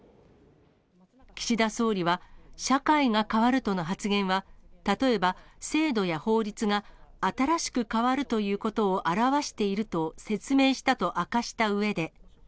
岸田総理は、社会が変わるとの発言は、例えば、制度や法律が新しく変わるということを表していると説明したと明かしたうえで。